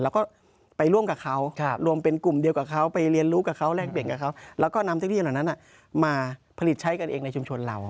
แล้วก็ไปร่วมกับเขารวมเป็นกลุ่มเดียวกับเขาไปเรียนรู้กับเขาแลกเปลี่ยนกับเขาแล้วก็นำเทคโนโลยเหล่านั้นมาผลิตใช้กันเองในชุมชนเรา